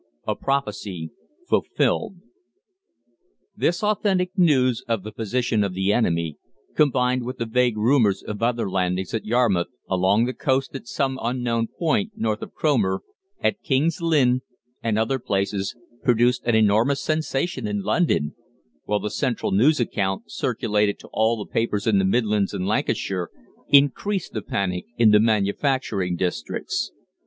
A PROPHECY FULFILLED. This authentic news of the position of the enemy, combined with the vague rumours of other landings at Yarmouth, along the coast at some unknown point north of Cromer, at King's Lynn, and other places, produced an enormous sensation in London, while the Central News account, circulated to all the papers in the Midlands and Lancashire, increased the panic in the manufacturing districts.